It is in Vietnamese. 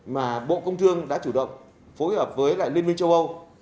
mà bộ công trương đã chủ động phối hợp với liên minh châu âu